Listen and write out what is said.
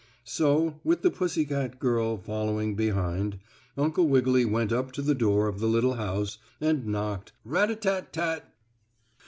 So, with the pussy girl following behind, Uncle Wiggily went up to the door of the little house, and knocked: "Rat a tat tat!"